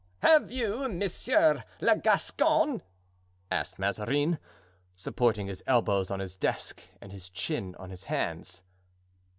"Have you, Monsieur le Gascon?" asked Mazarin, supporting his elbows on his desk and his chin on his hands.